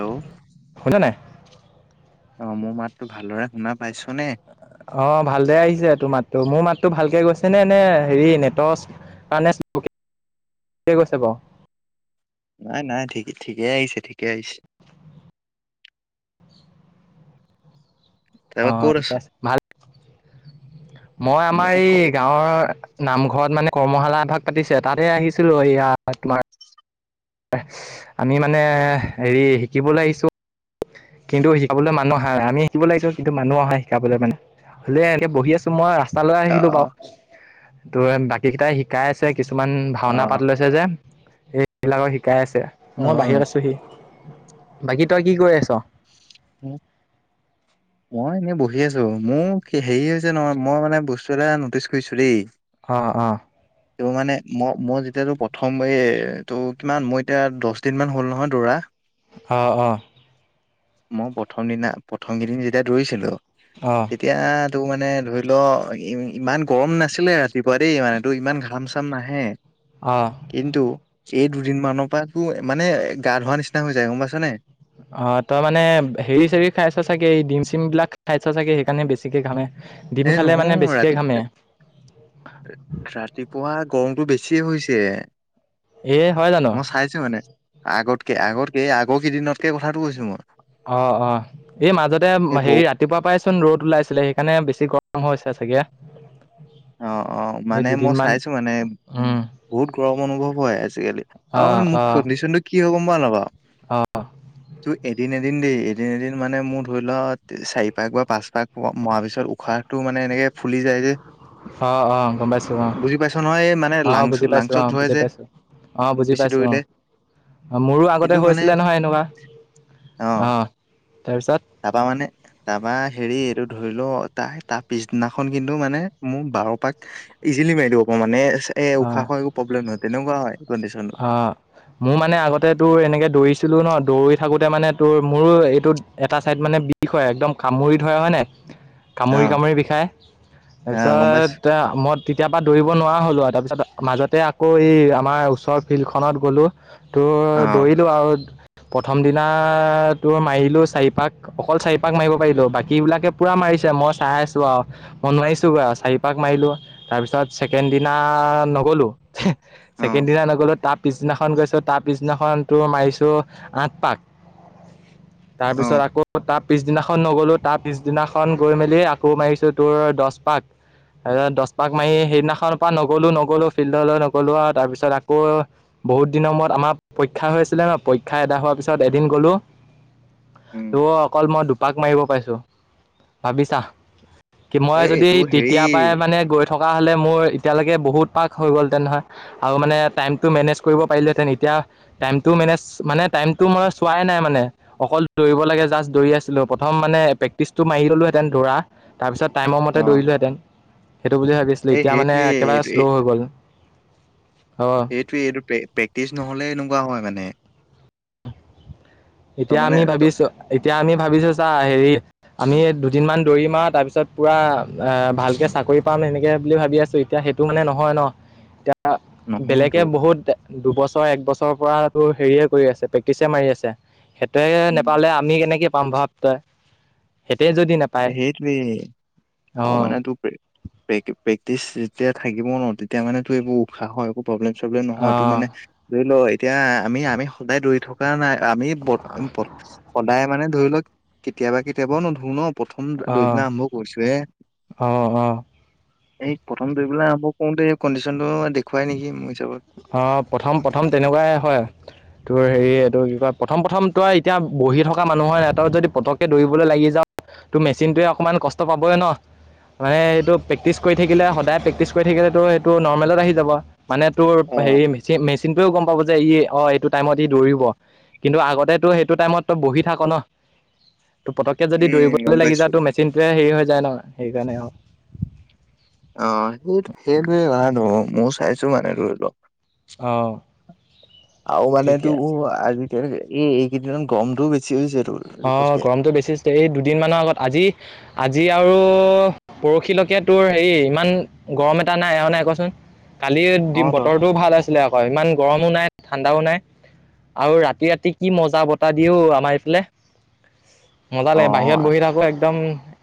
Hello শুনা নাই। অ মোৰ মাততো ভালদৰে শুনা পাইছ নে। অ ভাল দেৰে আহিছে তোৰ মাতটো মোৰ মাতটো ভালকে গৈছে নে নে হেৰি নেট [unintelligible] লাগি গৈছে বাৰু নাই নাই ঠিক ঠিকেই আহিছে ঠিকেই আহিছে। অ তাৰপৰা ক'ত আছ? ঠিকে আছে ভাল মই আমাৰ মোক কব এই গাঁৱৰ নামঘৰত, মানে কৰ্মশালা, এভাগ পাতিছে তাতে আহিছিলো। ইয়াত তোমাৰ আমি মানে হেৰি শিকিবলৈ আহিছো। কিন্তু শিকাবলৈ মানুহ আহা আমি শিকিব আহিছো। কিন্তু মানুহ অ আহে শিকাবলৈ মানে ধুনীয়া কেবহি আছো মই ৰাস্তা। ৰাস্তা লৈ অ আহিলো। বাৰু ত বাকী কেইটাই শিকাই আছে কিছুমানে অ ভাওনা পাত লৈছে। যে এইবিলাকক শিকাই আছে অ মই বাহিৰত অ। আছোহি। বাকী তই কি কৰি আছ? উম মই এনেই বহি আছো মোৰ হেৰি হৈছে নহয় মই মানে বস্তু এটা নটিচ কৰিছো দেই। অ অঁ [inaudible] এই মানে মই মই যেতিয়াতটো প্ৰথম এই তটো কিমান মই এতিয়া দহ দিন মান হ'ল নহয় দৌৰা। অঁ অঁ মই প্ৰথম দিনা প্ৰথম কেইদিন যেতিয়া দৌৰিছিলো। অ এতিয়াতো মানে ধৰি ল ইমান গৰম নাছিলে। ৰাতিপুৱা দেই মানে তোৰ ইমান ঘাম চাম নাহে অ কিন্তু এই দুদিন মানৰ পা মানে গা ধোৱা নিচিনা হৈ যায় গম পাইছ নে অ তই মানে হেৰি চেৰি খাইছ চাগে এই ডিম চিম বিলাক খাইছ চাগে সেইকাৰণে বেছিকে ঘামে। ডিম এই খালে নহয় মানে বেছিকে ৰাতি ঘামে। ৰাতিপুৱা গৰমটো বেছি হৈছে। এ হয় জানো মই চাইছোঁ মানে আগতকে আগতকে আগৰ কেইদিনতকে কথাটো কৈছো মই। অ' অ' এই মাজতে এই বৌ হেৰি ৰাতি। ৰাতিপুৱা পাইচোন ৰ'দ ওলাইছিলে, সেইকাৰণে বেছি গৰম হৈছে চাগে। অ' অ' এই মানে মই দুদিনমান চাইছো মানে। উম, বহুত গৰম অনুভৱ হয় আজিকালি আৰু মানে মোৰ কণ্ডিশ্যনটো কি হয় গম পাওঁ নাপাওঁ। অঁ। কি এদিন এদিন দেই এদিন এদিন মানে মোৰ ধৰি লোৱা চাৰি পাক বা পাঁচ পাক মৰাৰ পিছত উশাহ। টো মানে এনেকে ফুলি যায় যে। অ' অ' গম পাইছোঁ। অ' বুজি পাইছ নহয় এই মানে অ' লাংচ বুজি পাইছোঁ, লাংচত অ' ধৰে বুজি যে পাইছোঁ অ' বুজি বেছি পাইছোঁ অ'। দৌৰিলে। অ' মোৰো আগতে কিন্তু হৈ মানে আছিলে নহয় এনেকুৱা, অ' তাৰপিছত। তাৰপৰা মানে তাৰপৰা হেৰি এইটো ধৰি লওক তাৰ পিছদিনাখন কিন্তু মানে। মোৰ বাৰপাক ইজিলি মাৰি দিব পাৰো মানে। এ' অ'। উশাহখৰো একো প্ৰব্লেম নহয়, তেনেকুৱা হয় কণ্ডিশনতো। হা মোৰ মানে আগতে তোৰ এনেকে দৌৰিছিলো ন, দৌৰি থাকোতে মানে তোৰ মোৰো এইটো এটা চাইড মানে। কি হয় একদম কামুৰি ধৰা হয় নাই। [unintelligible] কামুৰি কামুৰি বিষায়, অ', গম পাইছো তাৰপিছত মই তেতিয়াৰ পৰা দৌৰিব নোৱাৰা হ'লোঁ আৰু তাৰপিছত। মাজতে আকৌ এই আমাৰ ওচৰৰ ফিল্ড খনত গ'লো। তোৰ অ', দৌৰিলো আৰু। প্ৰথম দিনাটো মাৰিলোঁ চাৰিপাক। অকল চাৰিপাক মাৰিব পাৰিলো, বাকী বিলাকে পুৰা মাৰিছে মই চাই আছো আৰু। মই নোৱাৰিছোগে আৰু, চাৰি পাক মাৰিলো তাৰপিছত ছেকেণ্ড দিনা। নগ'লো ছেকেণ্ড অ', দিনা নগলো তাত। পিছনাখন গৈছো, তাৰ পিছদিনাখন তো মাৰিছো আঠ পাক। অ', তাৰপিছত আকৌ তাত। পিছদিনাখন নগলো, তাৰ পিছদিনাখন গৈ মেলি আকৌ মাৰিছো তোৰ দছ পাক। তাৰপিছত দছ পাক মাৰি সেইদিনাখনৰ পৰা নগলো নগলো ফিল্ডলৈ নগলো আৰু তাৰপিছত আকৌ। বহুত দিনৰ মূৰত আমাৰ পৰীক্ষা হৈ আছিলে ন, পৰীক্ষা এদাই হোৱাৰ পিছত এদিন গলো। উম, তোৰ অকল মই দুপাক মাৰিব পাইছোঁ ভাবিছা। মই এই যদি এইটো হেৰি তেতিয়াৰ পৰাাই মানে গৈ থকা হলে মোৰ এতিয়ালৈকে বহুত পাক হৈ গল তেতে নহয়। আৰু মানে টাইম টো মেনেজ কৰিব পাৰিলোহেতেন এতিয়া। টাইমটো মেজ মানে টাইমটো মই চোৱাই নাই মানে। অকল দৌৰিব লাগে জাষ্ট দৌৰি আছিলো প্ৰথম মানে প্ৰেক্টিচটো মাৰি দলোহেঁতেন দৌৰা। তাৰপিছত টাইমৰ মতে অ', দৌৰিলোহেঁতেন, সেইটো বুলি ভাবিছিলো এই এতিয়া মানে সেইটোৱে একেবাৰে। এইটো শ্ল' এই হৈ গল, অ। এইটোৱ এইটো প্ৰেক্টিচ নহ'লে এনেকুৱা হয় মানে। ত' এতিয়া মানে আমি ত ভাবিছো এতিয়া আমি ভাবিছো চা হেৰি। আমি দুদিনমানান দৌৰিম আৰু তাৰ পিছত পুৰা অ' ভালকে চাকৰি পাম এনেকে বুলি ভাবি আছো। এতিয়া সেইটো মানে নহয় ন। [unintelligible] নহয় তো বেলেগে বহুত দুবছৰ একবছৰৰ পৰাতো হেৰিয়ে কৰি আছে। প্ৰেক্টিছে মাৰি আছে, সেইটোৱে উম, নাপালে আমি কেনেকে পাম ভাৱ তই সেইটোৱে যদি। নেপায় সেইটোৱে আৰু অঁ মানে টো। প্ৰেক্টিচ যেতিয়া থাকিব ন, তেতিয়া মানে তো এইবোৰ উশাহৰ একো প্ৰব্লেম চব্লেম নহয় তটো অঁ মানে। ধুৰি ল এতিয়া আমি আমি সদায় দৌৰি থকা নাই। আমি সদায় মানে ধৰি লওক কেতিয়াবা কেতিয়াবা নদৰো ন? [unintelligible] দুই অঁ দিনা আৰম্ভ কৰিছিলোঁ হে [unintelligible] অঁ অঁ এই প্ৰথম দুইবেলা আৰম্ভ কৰোঁতে কণ্ডিশ্যনটো দেখুৱাই নেকি মোৰ হিচাপত। [unintelligible] অঁ! প্ৰথম-প্ৰথম তেনেকুৱাই হয়। [unintelligible] তোৰ হেৰি এইটো কি কয় প্ৰথম-প্ৰথম ত‌ই এতিয়া বহি থকা মানুহৰ এটাও যদি পতককে দৌৰিবলে লাগি যাৱ [unintelligible] তোৰ মেচিনটোৱে অকনমান কষ্ট পাবই ন? [unintelligible] মানে এইটো প্ৰেক্টিচ কৰি থাকিলে সদায় প্ৰেক্টিচ কৰি থাকিলেতো সেইটো নৰ্মেলত আহি যাব মানে তোৰ [unintelligible] অ হেৰি মেচিন মেচিনটোৱেও গম পাব যে ই অ এইটো [unintelligible] টাইমত ই দৌৰিব কিন্তু আগতে তো সেইটো টাইমত তই বহি থাক ন? [unintelligible] ত পতকে যদি উম গম দৌৰিবলৈ লাগি পাইছো যায় তো মেচিনটোৱে হেৰি হৈ যায় ন সেইকাৰণে আৰু। [unintelligible] অঁ, সেই সেইটোৱেই [unintelligible] ভাল ময়ো চাইছো মানে দৌৰিব। অ। [unintelligible] আৰু মান তোৰ আজিকালি এই এইকেইদিনমান গৰমটোও বেছি হৈছেটো। [inaudible] অঁ! গৰমটো বেছি হৈছে। এই দুদিনমানৰ আগত আজি-আজি আৰু [unintelligible] পৰসিলৈকে তোৰ হেৰি ইমান গৰম এটা নাই হয় নাই কচোন? [unintelligible] কালি [unintelligible] অ দি ত বতৰটোও ভাল আছিলে আকৌ ইমান গৰমো নাই ঠাণ্ডাও নাই। আৰু ৰাতি-ৰাতি কি মজা বতাহ দিয়ে অ আমাৰ এইফালে। [unintelligible] মজা অ লাগে বাহিৰত বহি থাকোঁ একদম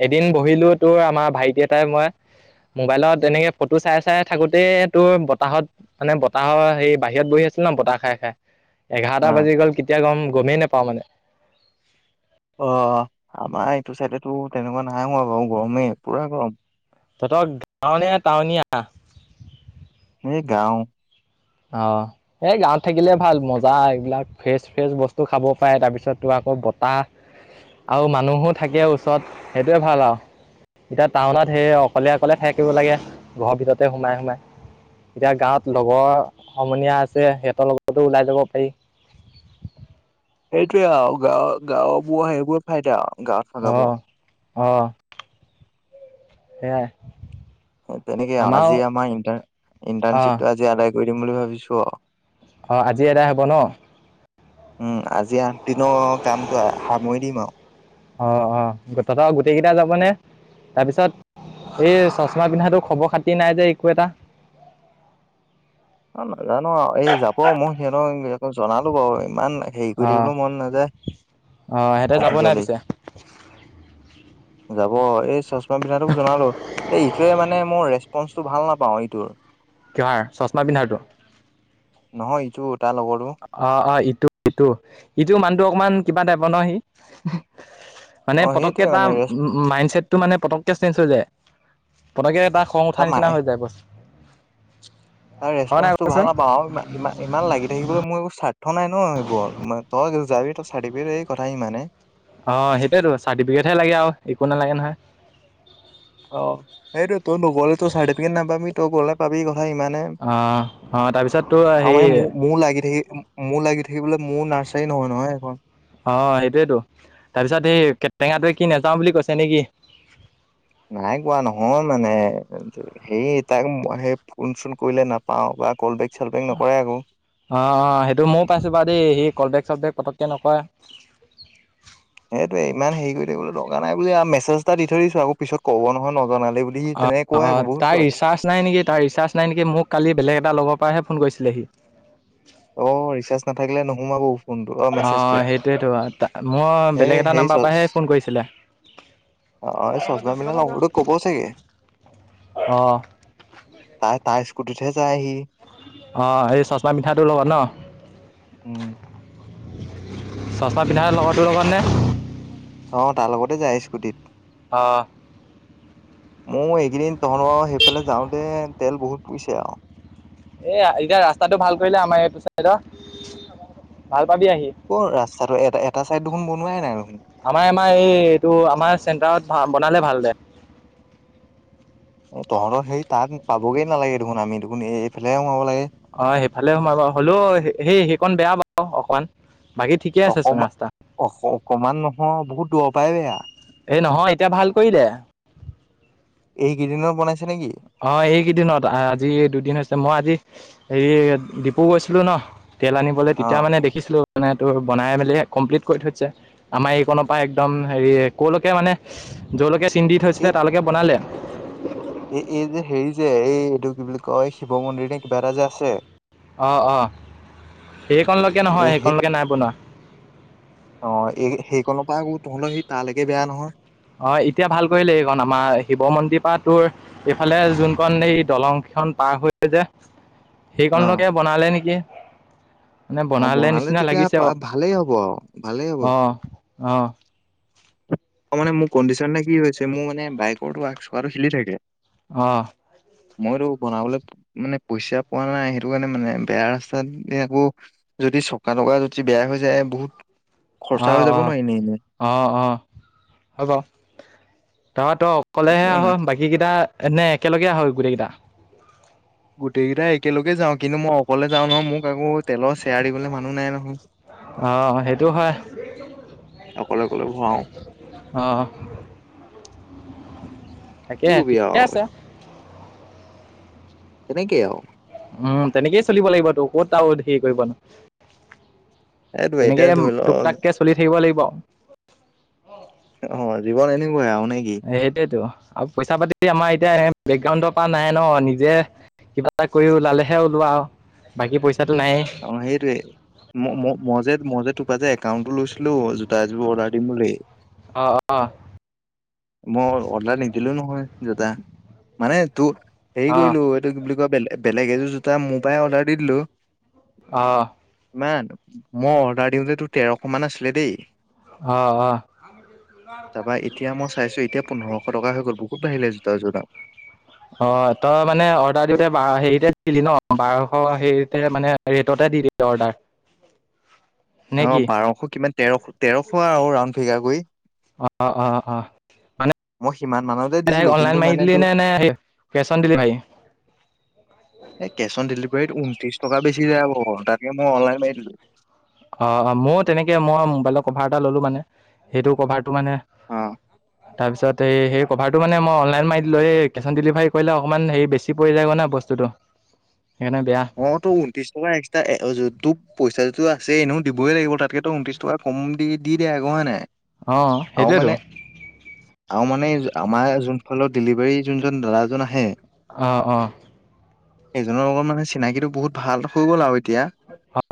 এদিন বহিলো তোৰ আমাৰ ভাইটি এটাই মই। [unintelligible] মোবাইলত এনেকে ফটো চাই-চাই থাকোঁতে তোৰ বতাহত [unintelligible] মানে বতাহৰ হেৰি বাহিৰত বহি আছিলোঁ ন বতাহ খাই-খাই। [unintelligible] অ এঘাৰটা বাজি গ'ল কেতিয়া গম-গমেই নেপাওঁ মানে। [unintelligible] অঁ! আমাৰ এইটো চাইডেতো তেনেকুৱা নাই হোৱা বাৰু গৰমেই, পুৰা গৰম। [unintelligible] তহঁতৰ গাঁও নে টাউনীয়া? [unintelligible] এই গাঁও। [unintelligible] অঁ। [unintelligible] এ গাঁৱত থাকিলে ভাল মজা এইবিলাক ফ্ৰেচ-ফ্ৰেচ বস্তু খাব পাৰে তাৰপিছত তোৰ আকৌ বতাহ। [unintelligible] আৰু মানুহো থাকে ওচৰত সেইটোৱেই ভাল আৰু। [unintelligible] এতিয়া টাউনত সেই অকলে-অকলে থাকিব লাগে, ঘৰৰ ভিতৰতে সোমাই-সোমাই। [unintelligible] এতিয়া গাঁৱত লগৰ সমনীয়া আছে সিহঁতৰ লগতো ওলাই যাব পাৰি। [unintelligible] সেইটোৱেই আৰু গাঁও-গাঁওবোৰ সেইবোৰে ফাইদা, গাঁৱত থকাবোৰ। [unintelligible] অঁ! [unintelligible] সেয়াই [inaudible] তেনেকে আও আমাৰো আজি আমাৰ অ' ইণ্টান-ইণ্টাৰ্শ্বিপটো আজি আদায় কৰি দিম বুলি ভাবিছোঁ আও। [unintelligible] অঁ! আজি এদাই হব ন? [unintelligible] উম! আজি আঠদিনৰ কামটো সামৰি দিম আৰু। [unintelligible] অ-অ! তহঁতৰ গোটেইকেইটা যাবনে তাৰপিছত? [unintelligible] সেই চশমা পিন্ধাটো খবৰ খাতি নাই যে একো এটা? [unintelligible] [unintelligible] অ নাজানো আও [inaudible] এই যাব মই সিহঁতক জনালো বাৰু ইমান হেৰি কৰি অ' থাকিবও মন নাযায়, অ' সিহঁতে যাব নাই আজিকালি পিছে [unintelligible] যাব এই চশমা পিন্ধটোক জনালো। এই ইটোৱে মানে মোৰ ৰেচপন্ [unintelligible] টো ভাল নাপাওঁ এইটোৰ। [unintelligible] কিহৰ চশমা পিন্ধাটো? [unintelligible] নহয় ইটো তাৰ লগৰটো। [unintelligible] অঁ-অঁ, ইটো-ইটো। ইটো মানুহটো অকমান কিবা টাইপৰ ন সি? [unintelligible] মানে অ পতকে সেইটোৱে মানে তাৰ ৰেচ মাইড ছেটটো মানে পতকে চেঞ্জ হৈ যায়। পতকে তাৰ [unintelligible] খং উঠা নিচিনা হৈ যায় বছ। [unintelligible] তাৰ ৰেচপন্ঞ্চটো ভাল নাপাওঁ ইমান ইমান লাগি থাকিবলৈ মোৰ একো স্বাৰ্থ নাই ন এইবোৰত তই যাবি তই চাই দিবি এই কথা ইমানে অ' সেইটোয়েটো চাৰ্টিফিকেটহে লাগে আৰু একো নালাগে নহয়। অ সেইটো তই নগলে তোৰ চাৰ্টিফিকেট নাপাবামি তই গলে পাবি কথা ইমানে। অ', অ', তাৰপিছত তোৰ আমা হেৰি এই মো মোৰ লাগি থাকি মোৰ লাগি থাকিবলৈ মোৰ নাৰ্চাৰী নহয় নহয় সেইখন। অঁ সেইটোয়েটো, তাৰপিছত এই কেটেঙাটোৱে কি নাযাও বুলি কৈছে নেকি? নাই কোৱা নহয় মানে হেৰি তাক মই সেই ফোন চোন কৰিলে নাপাও বা কল বেগ চলবেগ নকৰে আক'। অঁ অঁ সেইটো মইয়ো পাইছো বাৰু দেই সি কলবেক চলবেক পটকে নকৰে। সেইটোৱে ইমান হেৰি কৰি থাকিবলৈ দৰকাৰ নাই বুলি আৰু মেছেজ এটা দি থৈ দিছো আক' পিছত আকৌ কব নহয় নজনালি বুলি তেনেকে অ' কয় আকৌ অ' বহুত তাৰ কয়। ৰিচাৰ্জ নাই নেকি তাৰ ৰিচাৰ্জ নাই নেকি মোক কালি বেলেগ এটা লগৰ পৰাহে ফোন কৰিছিলে সি। অ' ৰিচাৰ্জ নাথাকিলে নোসোমাবও। অঁ সেইটোৱেতো মই এই বেলেগ এটা হেৰি নাম্বাৰ চচ পৰাহে ফোন কৰিছিলে। অ' এই চশমা পিন্ধা লগৰ টোক কব চাগে। অ', তাৰ তাৰ স্কুটিতহে যায় সি। অ' এই চশমা পিন্ধাটো লগত ন? উম। চশমা পিন্ধা লগৰটোৰ লগত নে? অঁ তাৰ লগতে যায় স্কুটিত। অ'। মইও এইকেইদিন তহঁতৰ লগত সেইফালে যাওঁতে তেল বহুত পুইছে আও। এ এতিয়া ৰাস্তাটো ভাল কৰিলে আমাৰ এইটো চাইদৰ, ভাল পাবি আহি। কৰ ৰাস্তাটো এটা এটা চাইড দেখোন বনোৱাই নাই দেখোন। আমাৰ আমাৰ এই এইটো আমাৰ চেণ্টাৰত বনালে ভাল দে। তহঁতৰ সেই তাত পাবগে নালাগে দেখোন আমি দেখোন এইফালে হে সোমাব লাগে। অঁ সেইফালে সোমাই বাৰু হ'লেও সেই সেইকণ বেয়া বাৰু অকমান। বাকী ঠিকে আছে চোন ৰাস্তা। অ অকমান নহয় বহুত দূৰৰ পৰাই বেয়া। এই নহয় এতিয়া ভাল কৰিলে। এইকেইদিনত বনাইছে নেকি? অঁ এইকেইদিনত আজি দুদিন হৈছে, মই আজি হেৰি ডিপু গৈছিলো ন তেল আনিবলৈ অ তেতিয়া মানে দে খিছিলোঁ মানে তোৰ বনাই মেলি কমপ্লিট কৰি থৈছে। আমাৰ এই কণৰ পৰা একদম হেৰি কলৈকে মানে জৰলৈকে চিন দি থৈছিলে এই তালৈকে বনালে। এই এই যে হেৰি যে এই এইটো কি বুলি কয় শিৱ মন্দিৰ নে কিবা এটা যে আছে অঁ অঁ, সেইকণ লৈকে নহয় এই সেইকণ লৈকে নাই বনোৱা। অঁ এই সেইকণৰ পৰা বোলো তহঁতৰ সেই তালৈকে বেয়া নহয়। অ' এতিয়া ভাল কৰিলে এইকণ আমাৰ শিৱ মন্দিৰ পৰা তোৰ এইফালে যোনখন এই দলং খন পাৰ হৈ যায় যে সেইকণ অ লৈকে বনালে নেকি। মানে অ বনালে নিচিনা তেতিয়া লাগিছে পা- বাৰু। ভালেই হ'ব আৰু ভালেই হ'ব অ' অঁ। অ মানে মোৰ কণ্ডিশন নে কি হৈছে মোৰ মানে বাইকৰ আগ চকাটো হিলি থাকে। অ' মইতো বনাবলে মানে পইচা পোৱা নাই সেইটো কাৰণে মানে বেয়া ৰাস্তাত আকৌ - যদি চকা টকা যদি বেয়া হৈ যায় বহুত খৰচা হৈ যাব ন এনেই এনেই। অ অ, হয় বাৰু, ত‌ই তো অকলেহে কিয় আহ, নাই বাকী - কেইটা নে একেলগে আহ গোটেই কেইটা? গোটেইকেইটা একেলগে যাওঁ কিন্তু মই - অকলে যাওঁ নহয় মোক আকৌ তেলৰ চেয়াৰ দিবলৈ মানুহ নাই নহয়। অ সেইটো হয়। অকলে অকলে ভৰাও। অ তাকে কি কবি ঠিকে আৰু আছে। তেনেকেই আও। উম তেনেকেই চলিব লাগিব তো ক'ত আৰু হেৰি কৰিবানো। সেইটোৱে তেনেকে এতিয়া ধৰি ল টোক টাককে চলি থাকিব লাগিব। অ জীৱন এনেকুৱাই আৰু নে কি? সেইটোয়েতো আৰু পইচা পাতি আমাৰ এতিয়া বেকগ্ৰাউণ্ডৰ পা নাই ন, নিজে - কিবা এটা কৰি ওলালেহে ওলোৱা আও বাকী পইচাটো নাইয়েই। অ সেইটোৱে। ম ম মই যে মই যে তো পা যে একাউণ্টটো লৈছিলো জোতা এযোৰ অৰ্ডাৰ দিম বুলি - অঁ অঁ। মই অৰ্ডাৰ নিদিলো নহয় জোতা, মানে তোৰ - হেৰি অ কৰিলো এইটো কি বুলি কয় বেলেগ বেলেগ এযোৰ জোতা মোৰ পৰাই অৰ্ডাৰ দি দিলো। অ। মানে মই অৰ্ডাৰ দিওঁতে তোৰ তেৰশ মান আছিলে দেই - অ অ। [unintelligible] তা পা এতিয়া মই চাইছো এতিয়া পোন্ধৰশ টকা হৈ গ'ল বহুত বাঢ়িলে জোতাযোৰ দাম। অ তই মানে অৰ্ডাৰ দিওঁতে হেৰিতে দিলি ন বাৰশ হেৰিতে মানে - ৰেটতে দি দিবি অৰ্ডাৰ। নে অ কি বাৰশ কিমান তেৰশ তেৰশ আৰু ৰাউড ফিগাৰ কৰি। অ অ অ, মানে মই সিমান মানতে ডাইৰেক্ট দিছিলো অলাইন কিন্তু মাৰি মানে দিলি তোৰ নে - কেশ অন ডেলিভাৰী? এ কেছ অন ডেলিভাৰীত ঊনত্ৰিশ টকা বেছি যাব, তাকে মই অনলাইন মাৰি দিলো। অ অ মইয়ো তেনেকে মই মোবাইলৰ কভাৰ এটা ললো মানে সেইটো কভাৰটো মানে - অ। তাৰপিছত সেইভাৰটো মানে মই অনলাইন মাৰিলো এই কেছ অন ডেলিভাৰী কৰিলে অকমান হেৰি বেছি পৰি যায় কাৰণে বস্তু- বস্তুটো সেইকাৰণে বেয়া। অ তো ঊনত্ৰি টকা এক্সট্ৰা যদি তো পইচাটো আছে এনেও দিবয়ে লাগিব তাতকে তো ঊনত্ৰিশ - টকা কম দি দি দে হয় নাই? অ আৰু সেইটোৱে তো। মানে আৰু মানে আমাৰ যোন ফালৰ ডেলিভাৰী যোনজন দাদাজন আহে - অ অ। সেইজনৰ লগত মানে চিনাকিটো বহুত ভাল হৈ গ'ল আৰু এতিয়া।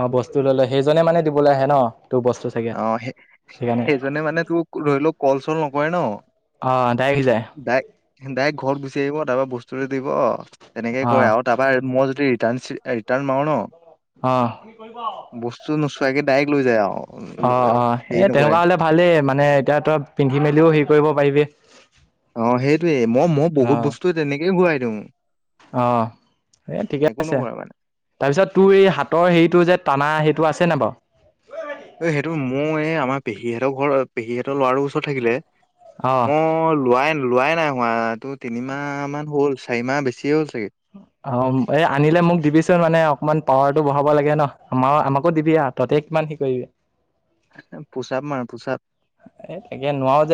অ বস্তু ললে সেইজনে মানে দিবলে আহে ন তোৰ বস্তু। চাগে অ সেই সেইকাৰণে সেইজনে মানে তোক ধৰি লও কল চল নকৰে ন। অ ডাইৰেক্ট যায়। ডাইক ডাইৰেক্ট ঘৰত গুচি আহিব তাৰপৰা বস্তুটো দিব তেনেকেই কৰে অঁ আও। তাৰপৰা মই যদি ৰিটাৰ্ণ মাৰো ন। অঁ বস্তু নোচোৱাকে ডাইৰেক্ট লৈ যায় অঁ আৰু অঁ এই হেৰি নকৰে। তেনেকুৱা হ'লে ভালেই মানে এতিয়া তই পিন্ধি মেলিও হেৰি কৰিব পাৰিবি। অ' সেইটয়ে মই, মই বহুত অঁ বস্তু তেনেকেই ঘূৰাই দিওঁ। অঁ, এ ঠিকে একো আছে। নকৰে মানে তাৰপিছত তোৰ এই হাতৰ হেৰিটো যে টানা সেইটো আছেনে বাৰু? এ' সেইটো মোৰ এই আমাৰ পেহীহঁতৰ ঘৰ পেহীহঁতৰ ল'ৰাটোৰ ওচৰত থাকিলে। অঁ মই লোৱাই - লোৱাই নাই। হোৱাতটো তিনিমাহ মান হ'ল চাৰিমাহ বেছিয়ে হ'ল চাগে। অ' এই আনিলে মোক দিবিচোন মানে অকমান পাৱাৰতটো বঢ়াব লাগে ন আমাৰ আমাকো দিবি আৰু। ততে কিমান সি কৰিবি [unintelligible] পুচাপ মাৰ পুচাপ। এ' এতিয়া নোৱাৰো যে।